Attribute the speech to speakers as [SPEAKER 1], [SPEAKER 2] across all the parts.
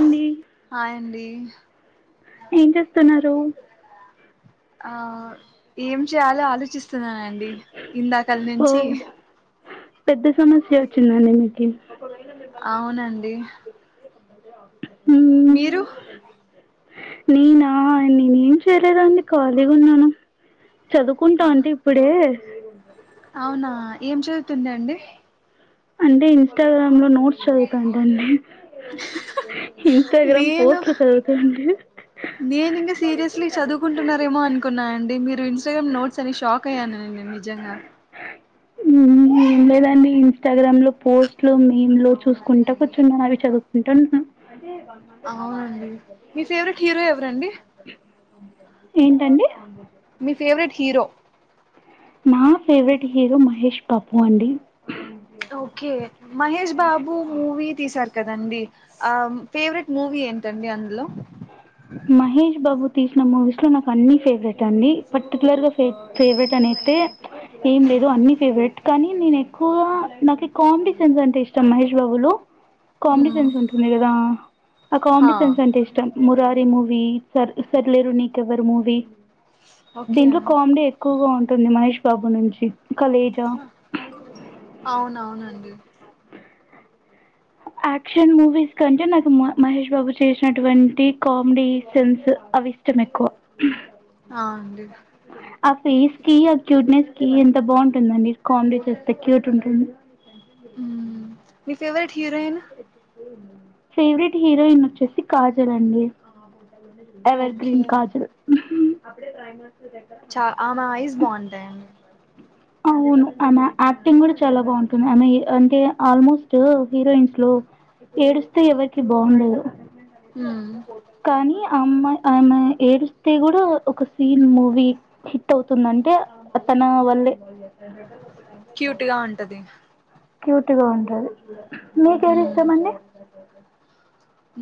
[SPEAKER 1] అ
[SPEAKER 2] hi అండి
[SPEAKER 1] ఏం చేస్తున్నారు
[SPEAKER 2] ఆ ఏం చేయాలో ఆలోచిస్తున్నానండి ఇందాకలి
[SPEAKER 1] ఓ
[SPEAKER 2] నుంచి
[SPEAKER 1] పెద్ద సమస్య వచ్చిందండి మీకు
[SPEAKER 2] అవునండి
[SPEAKER 1] ఉ
[SPEAKER 2] మీరు
[SPEAKER 1] నేనా నేనేం చేరదా అంన్ని ఖాళీగా ఉన్నాను చదువుకుంటాం అంటే ఇప్పుడే
[SPEAKER 2] అవునా ఏం చవుతుంది అండి
[SPEAKER 1] అంటే ఇన్స్టా్రా నువ్వు నోట్స్ చదువుతంటివంటనే ఇన్స్టాగ్రామ్
[SPEAKER 2] నేను
[SPEAKER 1] పోస్ట్లు చదువుతాంటివి
[SPEAKER 2] నేను ఇంకా సీరియస్లీ చదువుకుంటున్నారేమో అనుకున్నా అండి మీరు ఇన్స్టాగ్రామ్ నోట్స్ అని షాక్ అయ్యాను నేను నిజంగా
[SPEAKER 1] నేను ఉండేదాన్ని ఇన్స్టాగ్రామ్ లో పోస్ట్లు మే లో చూసుకుంటా కూర్చుంన్నాను అవి చదువుకుంటున్నా
[SPEAKER 2] అవునండి మీ ఫేవరెట్ హీరో ఎవరండి
[SPEAKER 1] ఏంటండి
[SPEAKER 2] మీ ఫేవరెట్ హీరో
[SPEAKER 1] నా ఫేవరెట్ హీరో మహేష్ పాపూ అండి
[SPEAKER 2] ఓకే మహష్ బాబూ మూవీ తీ సార్ కదండి ఆ ఫేవరెట్ మూవీ ఏంటండి అందులో
[SPEAKER 1] మహష్ బాబు తీసిన మూవీస్ లో నాకు అన్ని ఫేవరెట్ అండి పర్టికులర్ గా ఫ ఫేవరెట్ అనియితే ఏం లేదు అన్నిీ ఫేవరెట్ కానీ నేను ఎక్కువ నాకు కామెడ సెన్స్ అంటే ఇష్టం మహేష్ బాబు లో కామెడీ
[SPEAKER 2] మ్మ్
[SPEAKER 1] సెన్స్ ఉంటుంది కదా ఆ కామెడీ
[SPEAKER 2] హా
[SPEAKER 1] సెన్స్ అంటే ఇష్టం మ మూవి సర్ సర్లేెరు న కవర్ మూవి దీంట్లో
[SPEAKER 2] ఓకే
[SPEAKER 1] కామెడీ ఎక్కువగా ఉం తను మహష్ బాబు నుంచి కలేజా
[SPEAKER 2] అవునవునండి
[SPEAKER 1] యాక్షన్ మూవీస్ కంటే నాకు మ మహేష్ బాబు చేసినటువంటి కామెడీ సిన్స్ అవి ఇష్టం ఎక్కువ
[SPEAKER 2] ఆ అండి
[SPEAKER 1] ఆ ఫేస్కి అక్యూట్నేస్ కి ఎంత బాగుంటుందండి కామెడీ చేస్తే క్యూట్ ఉంటుంది.
[SPEAKER 2] ఉహ్ ఫేవరెట్ హీరోయిన్
[SPEAKER 1] ఫేవరెట్ హీరోయిన్ వచ్చేసి కాజల్ అండి
[SPEAKER 2] ఓకే
[SPEAKER 1] ఎవర్గ్రీన్ కాజల్ ఉహ్
[SPEAKER 2] చ ఆమా ఐస్ బాగుంటాయండి
[SPEAKER 1] అవును ఆమె యాక్టింగ్ కూడా చాలా బాగుంటుంది ఆమె అంటే ఆల్మోస్ట్ హీరోయిన్స్ లో ఏడుస్తే ఎవరికి బాగుండదు
[SPEAKER 2] మ్మ్
[SPEAKER 1] కనియ ఆ అమ్మాయ్ ఆమె ఏడిస్తే కూడా ఒక సీన్ మూవీ హిట్ అవుతుందంటే తన వల్లే
[SPEAKER 2] క్యూట్ గా ఉంటది
[SPEAKER 1] క్యూట్ గా ఉంటది మీకు ఎవర్
[SPEAKER 2] మ్మ్
[SPEAKER 1] ఇష్టం అండి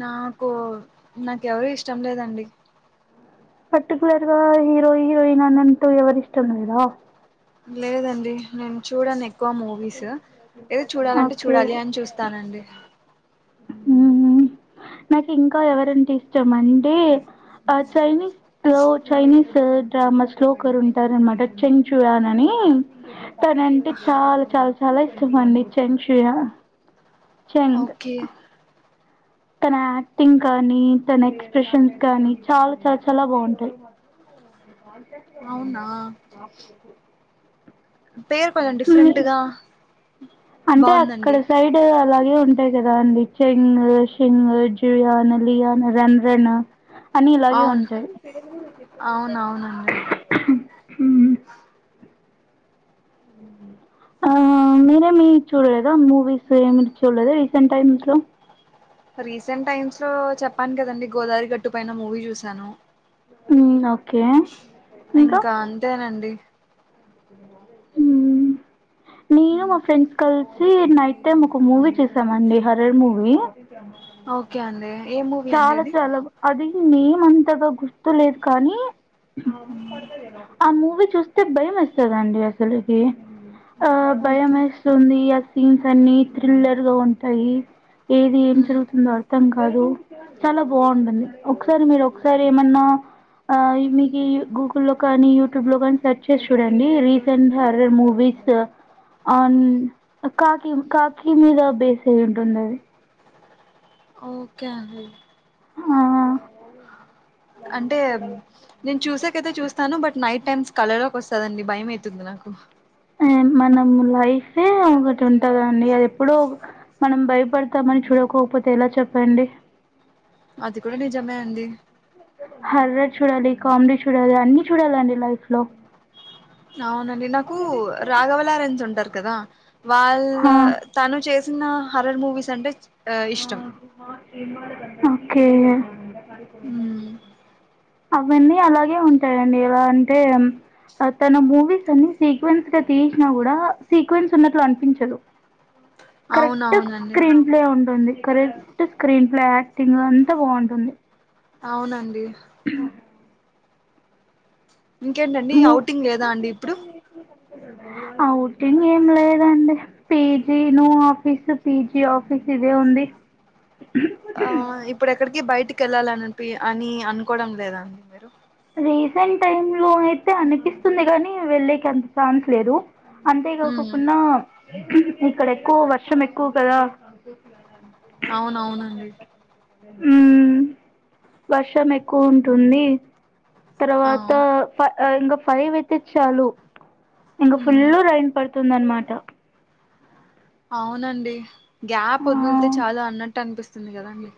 [SPEAKER 2] నాకు నాకేవరు ఇష్టం లేదండి
[SPEAKER 1] పర్టికులర్గ హీరో హీరోయిన్ అని అంటూ ఎవరు ఇష్టం ఉండదా?
[SPEAKER 2] లేదండి నేను చూడను ఎ క్కువ మూవీస్ ఏదో చూడాలంటే
[SPEAKER 1] ఓకే
[SPEAKER 2] చూడాలి అని చూస్తానండీ
[SPEAKER 1] హ్మ్ నాకు ఇంకా ఎవరంట ఇష్టం అంటే ఆ చైనీస్ లో చైనీస్ డ్రామాస్ ఒకర్ ఉంటారు అనమాట చెంచూయాన్ అని, తనంటే చాలా చాలా చాలా ఇష్టం అండి చెంచూయా చెంన్
[SPEAKER 2] ఓకే
[SPEAKER 1] తన యాక్టింగ్ కానీ తన ఎక్స్ప్రెషన్స్ కానీ చాలా చల చాలా బాగుంటాయి
[SPEAKER 2] అవునా పేరు కొంచెం
[SPEAKER 1] నీ
[SPEAKER 2] డిఫరెంట్గా
[SPEAKER 1] అంటే అక్కడ
[SPEAKER 2] బాగుందండి
[SPEAKER 1] సైడ్ అలాగే ఉన్ ఇదె కదా అండి చెంగు సింగు జుయాన లియాన రధ్రన్
[SPEAKER 2] అవున్ అవును అవునవునండి
[SPEAKER 1] ఉహ్ ఆ మీరేమి చూడలేద మూవీస్ ఏమి చూలేదా రీసెంట్ టైమ్స్ లో
[SPEAKER 2] రీసెంట్ టైమ్స్ లో చెప్పాను కదండి గోదారి గట్టు పైన మూవీ చూశాను
[SPEAKER 1] ఉమ్ ఓకే
[SPEAKER 2] ఇంకా అంతేనండి
[SPEAKER 1] ఉహ్ నేను మా ఫ్రెండ్స్ కలిసి నైటైమ్ ఒక మూవీ చూసాం అండి హర్రర్ మూవీ.
[SPEAKER 2] ఓకే అండి ఏ మూవీ అండి
[SPEAKER 1] చాలా
[SPEAKER 2] అది
[SPEAKER 1] చాలా అది నేమ్ అంతగా గుర్తు లేదు కానీ, ఆ మూవీ చూస్తే భయం వేస్తదండి అసలుకి. ఆ
[SPEAKER 2] ఓకే
[SPEAKER 1] భయంమేస్తుంది అస్ సీన్స్ అన్ని థ్రిల్లర్ గా ఉంటాయి ఏది ఏం
[SPEAKER 2] హ్మ్.
[SPEAKER 1] జరుగుతుందో ఆ అర్థం కాదు చాలా బావుంటుంది ఒకసారి మీరు ఒకసారి ఏమన్నా ఆ మీకి గూగుల్లో కానీ యూట్యూబ్ లో కానీ సెర్చ్ చేసి చూడండి రీసెంట్ హరర్ మూవీస్ అండ్ కాకిీ కాకిీ మీద బేస్ అయి ఉంటుంది అది
[SPEAKER 2] ఓకే అండి
[SPEAKER 1] ఆ
[SPEAKER 2] అంటే నేను చూసాకైతే చూస్తాను బట్ నైట్ టైమ్స్ కల లోకి వస్తదండి భయం అయితంది నాకు
[SPEAKER 1] మనం లైఫే ఒకటుంటదండి అది ఎప్పుడో మనం భయపడతామని చూడకోపోతే ఎలా చెప్పండి
[SPEAKER 2] అది కూడా నిజమో అండి.
[SPEAKER 1] హర్రర్ చూడాలి కామెడీ చూడాలి అన్నీ చూడాలండి లైఫ్ లో
[SPEAKER 2] అవునండి నాకు రాఘవ లారెన్స్ ఉంటారు కదా వాళ్ళ తను చేస్ చిన్న హరర్ మూవీస్ అంటే ఆ ఇష్టం
[SPEAKER 1] ఓకే [inaudible]
[SPEAKER 2] హ్మ్.
[SPEAKER 1] అవన్నీ అలాగే ఉంటాయండి ఎలా అంటే తన మూవీస్ అన్ని సీక్వెన్స్ గా తీసినా కూడా సీక్వెన్స్ ఉన్నట్లు అనిపించదు. కరెక్ట్
[SPEAKER 2] అవునవునండి
[SPEAKER 1] స్క్రీన్ ప్లే ఉంటుంది కరెక్ట్ స్క్రీన్ అలా యాక్టింగ్ అంతా బావుంటుంది.
[SPEAKER 2] అవునండి ఇంకేంటండి అవుటింగ్ లేదా అండి ఇప్పుడు
[SPEAKER 1] అవుటింగ్ ఏం లేదండి పీజీ నూ ఆఫీసు పీజీ ఆఫీస్ ఇదే ఉంది.
[SPEAKER 2] ఆ ఇప్పుడుఎక్కడికి బయట్ ఇంటికి వెళ్ళాలనిపి అని అనుకోవడం లేదాండి మీరు
[SPEAKER 1] రీసెంట్ టైమ్ లో అయితే అనిపిస్తుంది గానీ వెళ్ళకి అంత ఛాన్స్ లేదు. అంతే
[SPEAKER 2] ఉమ్
[SPEAKER 1] కాకోకున్న ఇక్కడ ఎక్కువ వర్షం ఎక్కువ కదా.
[SPEAKER 2] అవునవునండి.
[SPEAKER 1] హ్మ్ వర్షం ఎక్కువ ఉంటుంది.
[SPEAKER 2] ఆ
[SPEAKER 1] తర్వాత ఫ ఇంగ ఫైవ్ ఐతే చాలు ఇంగ ఫుల్
[SPEAKER 2] ఉమ్
[SPEAKER 1] రైన్ పడుతుంది అన్ మా దా
[SPEAKER 2] అవునండి. గ్యాప్ వదులితే
[SPEAKER 1] ఆ
[SPEAKER 2] చాలు అన్నట్టు అనిపిస్తుంది కదండి.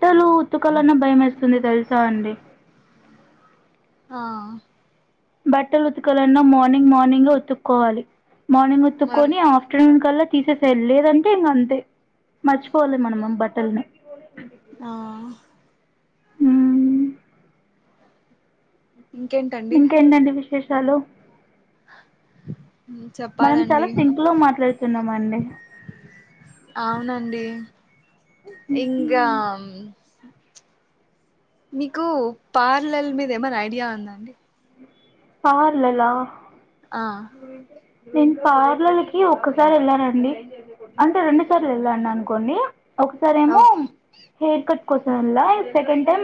[SPEAKER 1] బట్టలు ఉతకాలన్నా భయం వేస్తుంది తెలుసా అండి.
[SPEAKER 2] ఆ
[SPEAKER 1] బట్టలు ఉతకాలన్నా మార్నింగ్ మార్నింగ్ లో ఉతుక్కోవాలి. మార్నింగ్
[SPEAKER 2] మరి
[SPEAKER 1] ఉతుక్కొని ఆఫ్టర్నూన్ కల్లా తీసేసేయ్ లేదంటే ఇంకా అంతే మర్చిపోవాలి మనం మన బట్టలని
[SPEAKER 2] ఆ
[SPEAKER 1] ఉమ్
[SPEAKER 2] ఇంకేంటండి
[SPEAKER 1] ఇంకేంటండి విశేషాలు
[SPEAKER 2] ఉమ్,
[SPEAKER 1] మనం చాలా
[SPEAKER 2] చెప్పాలండి
[SPEAKER 1] సింకులో మాట్లాడుతున్నామండి
[SPEAKER 2] అవునండి ఇంగామ్ మీకు పార్లల్ మీద ఏమైనా ఐడియా ఉందా అండి
[SPEAKER 1] పార్లలా
[SPEAKER 2] ఆ
[SPEAKER 1] [unintelligible] నేను పార్లల్ కి ఒక్కసారి వెళ్లానండి అంటే రెండు సార్లు వెళ్ళాను అనుకోండి ఒకసారేమో
[SPEAKER 2] ఓకే
[SPEAKER 1] హెయిర్ కట్ కోసం వెళ్లా సెకండ్ ం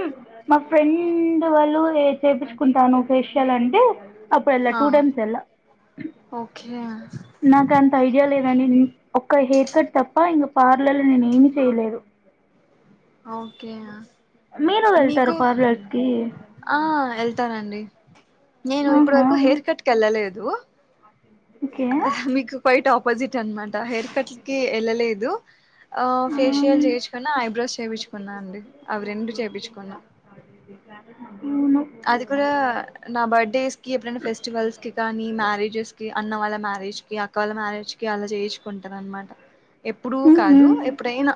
[SPEAKER 1] మా ఫ్రెండ్ వాళ్ళు వే చేపించుకుంటాను ఫేషియల్ అని ఏ అప్పుడు వెళ్ళ
[SPEAKER 2] ఆ
[SPEAKER 1] టూ టైమ్స్ వెళ్ళ
[SPEAKER 2] ఓకే
[SPEAKER 1] నాకు అంత ఐడియా లేదనీ ఒక్క హెయి అక్కడ తప్ప ఇంక పార్లల్లో నేను ఏమి చేయలేదు
[SPEAKER 2] ఓకే
[SPEAKER 1] మీరు వెళ్తారా
[SPEAKER 2] మీకు
[SPEAKER 1] పార్లర్స్ కి
[SPEAKER 2] ఆ వెళ్తానండి నేను ఇప్పటి
[SPEAKER 1] ఆహా
[SPEAKER 2] వరకు హెయిర్ కట్ కి వెళ్ళలేదు ందు
[SPEAKER 1] ఓకే
[SPEAKER 2] ఆహా మీకు క్వైట్ ఆపోజిట్ అన్మా హెయిర్ కట్ కి వెళ్ళలేదు ఆ
[SPEAKER 1] ఆమ్,
[SPEAKER 2] ఫేషియల్ చేపించుకున్నా ఐబ్రోస్ చేపించుకున్నా అండి అవి రెండు చేపించుకున్నా
[SPEAKER 1] అవును
[SPEAKER 2] అది కూడా నా బర్త్డేస్ కి ఎప్పుడైనా ఫెస్టివల్స్ కి కానీ మ్యారేజెస్ కి అన్న వాళ్ళ మ్యారేజ్ కి అక్క వాళ్ళ మ్యారేజ్ కి అలా చేయించుకుంటాను అనమాట ఎప్పుడూ
[SPEAKER 1] ఉహు
[SPEAKER 2] కాదు ఎప్పుడైనా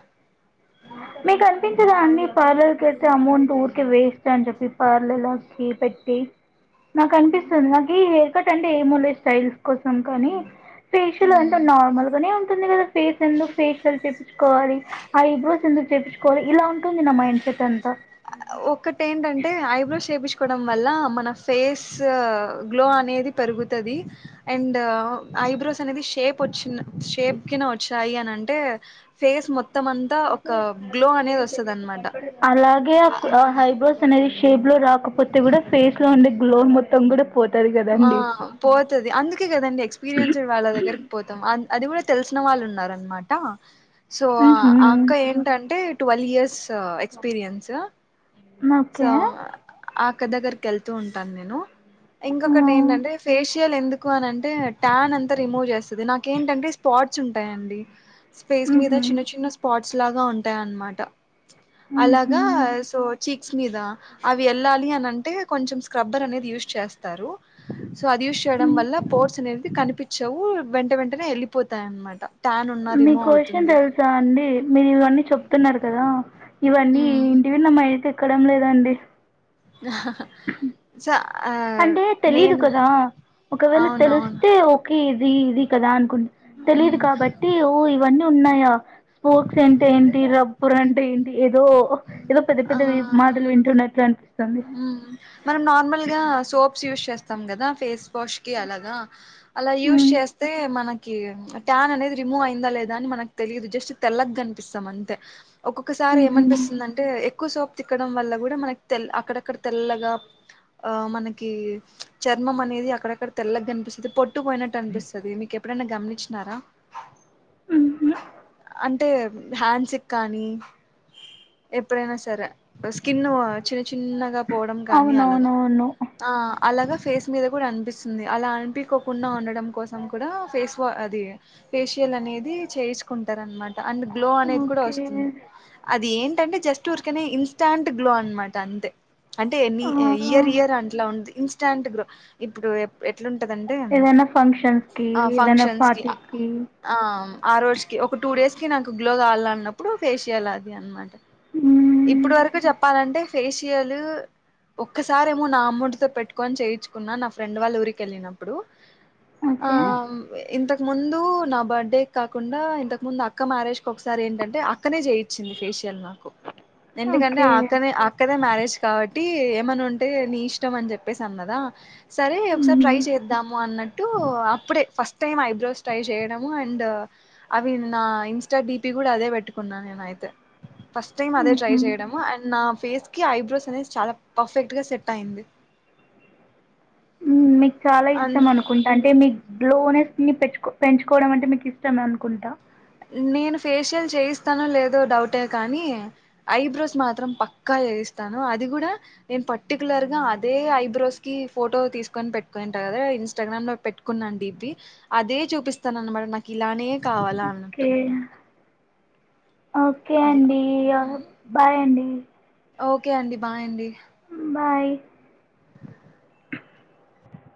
[SPEAKER 1] మీకు అనిపించదా అండి పార్లర్ కి అయితే అమౌంట్ ఊరికే వేస్ట్ అని చెప్పి పార్లర్ లోకి పెట్టి నాకు అనిపిస్తుంది నాకు ఈ హెయిర్ కట్ అంటే ఏమో లే స్టైల్స్ కోసం కానీ ఫేషియల్ అంటే
[SPEAKER 2] హ్మ్.
[SPEAKER 1] నార్మల్గానే ఉంటుంది కదా ఫేస్ ఎందుకు ఫేషియల్ చేపిచ్చుకోవాలి ఆ ఇవ్వా సిందుకి తెచ్చుకోవాలి ఇలా ఉంటుంది నా మైండ్ సెట్ ఎంత
[SPEAKER 2] ఒకటేంటంటే ఐబ్రోస్ చేపిస్ కోవడం వల్ల మన ఫేస్ గ్లో అనేది పెరుగుతది. అండ్ ఐబ్రోస్ అనేది షేప్ వచ్చిన షేప్కి గన వచ్చాయి అని అంటే ఫేస్ మొ అనమాట
[SPEAKER 1] అలాగే ఎ అపడ హైబ్రోస్ అనేది షేప్ లో రా కాకపోతే కూడా ఫేస్ లో ఉండే గ్లో మొత్తం కూడా పోతది
[SPEAKER 2] ఆ
[SPEAKER 1] కదండి
[SPEAKER 2] పోతది అందుకే కదండి ఎక్స్పీరియన్స్డ్ వాళ్ళ దగ్గరికి పోతాం. అం అది కూడా తెల్సిన వాళ్ళు ఉన్నారనమాట సో ఆ
[SPEAKER 1] ఉహు
[SPEAKER 2] అక్క ఏంటంటే twelve years experience
[SPEAKER 1] okay
[SPEAKER 2] so ఆ అక్ క్క దగ్గరికి వెళ్తూ ఉంటాను నేను
[SPEAKER 1] ఆ
[SPEAKER 2] ఇంకొకటి ఏంటంటే ఫేషియల్ ఎందుకు ఎక్కువ అని అంటే టాన్ అంతా రిమూవ్ చేస్సది. నాకేంటంటే స్పాట్స్ ఉంటాయండి. స్పేస్ మీద
[SPEAKER 1] ఉహు
[SPEAKER 2] చిన్న చిన్న స్పాట్ ట్స్ లాగా ఉంటాయన్నమాట అలాగా
[SPEAKER 1] ఉహు
[SPEAKER 2] సో క్స్ మీద అవి వెళ్ళాలి అని అంటే కొంచెం స్క్రబ్బర్ అనేది యూజ్ చేస్తారు. సో అది యూస్ చేయడం వల్ల పోట్స్ అనేవి కనిపించవు. వెంట వెంటనే వెళ్ళిపోతాయ్ అనమాట
[SPEAKER 1] మీకొషియం తెల్సా అండి. మీరన్నీ చెప్తున్నారు. కదా ఇవన్నీ
[SPEAKER 2] ఉమ్
[SPEAKER 1] ఇంటి నమ్మ అయితే ఎక్కడం లేదండి.
[SPEAKER 2] ఆ సో
[SPEAKER 1] అంటే తెలీదు
[SPEAKER 2] నేను
[SPEAKER 1] కదా ఒకవేళ
[SPEAKER 2] అవునవును
[SPEAKER 1] తెలిస్తే ఓకే ది ఇది కదా అన్ కున్ తెలిదు
[SPEAKER 2] మ్మ్
[SPEAKER 1] కాబట్టి ఓ ఇవన్నీ ఉన్నాయా స్పోక్స్ అంటే ఏంటి రబ్బర్ అంటే ఏంటి ఏదో ఏదో పెద్ద
[SPEAKER 2] ఆ
[SPEAKER 1] పెద్దవి మాటలు వింటున్నట్టే అనిపిస్తుంది.
[SPEAKER 2] మ్మ్ మనం నార్మల్గా సోప్స్ యూస్ స్ చేస్తాం కదా ఫేస్ వాష్ కి అలాగా అలా యూస్
[SPEAKER 1] ఉమ్
[SPEAKER 2] చేస్తే మనకి ట్యాన్ అనేది రిమూవ్ అయిందా లేదా అని మనకు తెలిదు జస్ట్ తెల్లగ కనిపిస్తాం అంతే ఒక్కొక్కసారి
[SPEAKER 1] ఉహు
[SPEAKER 2] ఏమనిపిస్తుంది అంటే ఎక్కువ్ సోపు తిక్కడం వల్ల కూడా మనకి తెల్ అక్కడక్కడ తెల్లగా ఆ మనకి చర్మం అనేది అక్కడక్కడ తెల్లగ కనిపిస్సది పొట్టు పోయినట్టు అనిపిస్సది మీకెప్ ఎప్పుడన్నా గమనించినారా
[SPEAKER 1] ఉహు
[SPEAKER 2] అంటే హ్యాండ్స్ కానీ ఎప్పుడైనా సరే స్కిన్ చిన్న చిన్నగా పోవడం కానీ అలాగా
[SPEAKER 1] అవునవునవును
[SPEAKER 2] ఆ అలాగా ఫేస్ మీద కూడా అనిపిస్తుంది అలా అనిపికోకుండా ఉండడం కోసం కూడా ఫేస్ వా అది ఫేషియల్ అనేది చేయించుకుంటారు అనమా అండ్ గ్లో అనేది కూడా
[SPEAKER 1] ఓకే
[SPEAKER 2] వస్తుంది అది ఏం టే జస్ట్ స్ట్ ఊర్కనే ఇన్స్టాంట్ గ్లో అన్నమాట అంతే. అంటే ఎన్ని
[SPEAKER 1] ఆ
[SPEAKER 2] ఇయర్ ఇయర్ అంట్లా ఉందిఇ ఇన్స్ట్ంట్ గ్లో ఇప్పుడు ఎప్ ఎట్లుంటదంటే
[SPEAKER 1] ఏదైనా ఫంక్షన్స్ కి
[SPEAKER 2] ఆ
[SPEAKER 1] ఏదైనా
[SPEAKER 2] ఫంక్షన్స్ కి
[SPEAKER 1] పార్టీస్
[SPEAKER 2] ఆ ఆ రోజు కి ఒక టూ డేస్ కి కి నాకు గ్లో కావాలన్నప్పుడు ఫేషియల్ అది అన్నమాట
[SPEAKER 1] హ్మ్
[SPEAKER 2] ఇప్పుడు వరకు చెప్పాలంటే ఫేషియలు ఒక్కసారి ఏమో నా అమౌంట్ తో పెట్టుకొని చేయించుకున్నా నా ఫ్రెండ్ వాళ్ళ ఊరికి వెళ్ళినప్పుడు ఆ
[SPEAKER 1] ఓకే.
[SPEAKER 2] ఇంత ముందు నా బర్త్డే కాకుండా ఇంతకు ముందు అక్క మ్యారేజ్ కి ఒకసారి ఏంటంటే అక్కనే చేయిచ్చింది ఫేషియల్ నాకు ఎందుకంటే
[SPEAKER 1] ఓకే.
[SPEAKER 2] ఆ ఆక్కనే అక్క దే మ్యారేజ్ కాబట్టి ఏమన్నా ఉంటే నీ ఇష్టం అని చెప్పేసి అన్నదా సరే ఒకసారి ట్రై
[SPEAKER 1] హ్మ్.
[SPEAKER 2] చేద్దాము అన్నట్టు అప్పుడే ఫస్ట్ టైం ఐబ్రోస్ ట్రై చేయడము అండ్ అవి నా ఇన్స్టా డిపి కూడా అదే పెట్టుకున్నా నేనయితే ఫస్ట్ టైం అదే ట్రై
[SPEAKER 1] హుహు.
[SPEAKER 2] చేయడం అండ్ నా ఫేస్ కి ఐబ్రోస్ అనేది చాలా పర్ఫెక్ట్ గా సెట్ అయింది.
[SPEAKER 1] హ్మ్.
[SPEAKER 2] అందుక్
[SPEAKER 1] గ్లోనెస్ ని పెంచుకో పెంచుకోవడం అంటే మీకు ఇష్టం అనుకుంటా.
[SPEAKER 2] నేను ఫేషియల్ చేయిస్తానో లేదో డౌటే కానీ ఐబ్రోస్ మాత్రం పక్కా చేయిస్తాను. అది కూడా నేను పర్టికులర్గా అదే ఐబ్రోస్ కి ఫోటో తీసుకొని పెట్టుకునింట కదా ఇన్స్టాగ్రామ్ లో పెట్టుకున్నాను డిపీ అదే చూపిస్తాను అన్నమాట నాకు ఇలానే కావాలా అన్నా ట్
[SPEAKER 1] ఓకే. ఓకే అండి ఆ బాయ్ అండి. హ్మ్
[SPEAKER 2] ఓకే అండి బాయండి
[SPEAKER 1] బాయ్